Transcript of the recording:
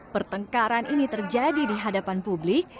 pertengkaran ini terjadi di hadapan publik